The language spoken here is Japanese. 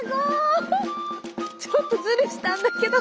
ちょっとズルしたんだけど。